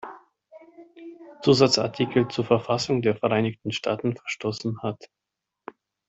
Zusatzartikel zur Verfassung der Vereinigten Staaten verstoßen hat.